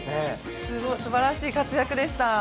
すばらしい活躍でした。